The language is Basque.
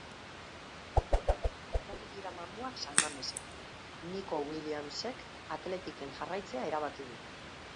Uxatu dira mamuak San Mamesen: Nico Williamsek Athleticen jarraitzea erabaki du.